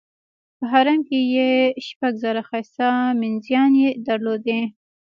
په حرم کې یې شپږ زره ښایسته مینځیاني درلودې.